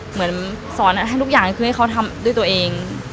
เหมือนสอนให้ทุกอย่างคือให้เขาทำด้วยตัวเอง